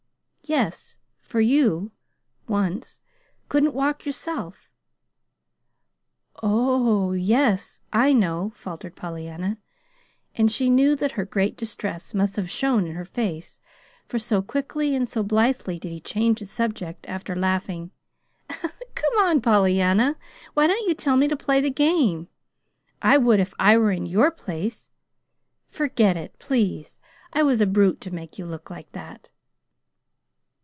"Yes; for you, once couldn't walk yourself." "Oh h, yes, I know," faltered Pollyanna; and she knew that her great distress must have shown in her face, for so quickly and so blithely did he change the subject, after a laughing: "Come, come, Pollyanna, why don't you tell me to play the game? I would if I were in your place. Forget it, please. I was a brute to make you look like that!"